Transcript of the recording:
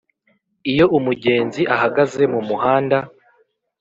Iyo umugenzi ahagaze mu muhanda